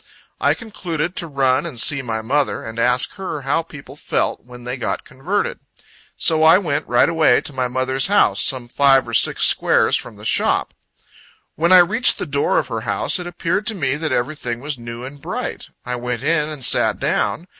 I concluded to run and see my mother, and ask her how people felt, when they got converted. So I went, right away, to my mother's house, some five or six squares from the shop. When I reached the door of her house, it appeared to me that everything was new and bright. I went in, and sat down.